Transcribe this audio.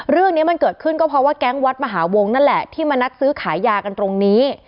เรื่องนี้มันเกิดขึ้นก็เพราะว่าแก๊งวัดมหาวงนั่นแหละที่มานัดซื้อขายยากันตรงนี้